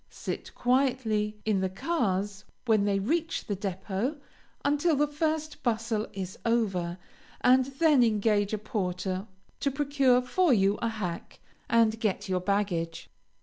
Sit quietly in the cars when they reach the depot until the first bustle is over, and then engage a porter to procure for you a hack, and get your baggage.